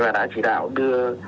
và đã chỉ đạo đưa